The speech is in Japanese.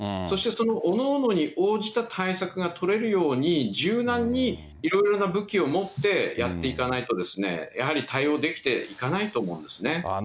そして、そのおのおのに応じた対策が取れるように柔軟にいろいろな武器を持ってやっていかないと、やはり対応できていかないと思うんです